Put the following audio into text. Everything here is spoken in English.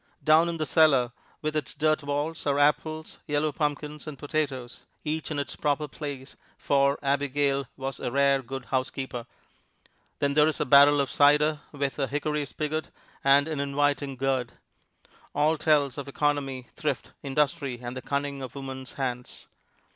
Down in the cellar, with its dirt walls, are apples, yellow pumpkins and potatoes each in its proper place, for Abigail was a rare good housekeeper. Then there is a barrel of cider, with a hickory spigot and an inviting gourd. All tells of economy, thrift, industry and the cunning of woman's hands.